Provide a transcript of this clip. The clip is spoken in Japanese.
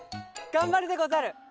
がんばるでござる！